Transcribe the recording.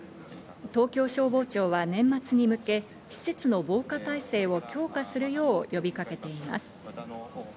東京消防庁は年末に向け、施設の防火体制を強化するよう呼びかけています。